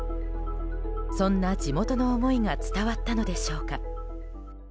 そんな地元の思いが伝わったのでしょうか。